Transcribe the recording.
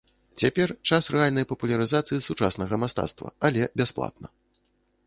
Цяпер час рэальнай папулярызацыі сучаснага мастацтва, але бясплатна.